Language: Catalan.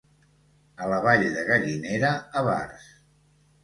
A la Vall de Gallinera, avars.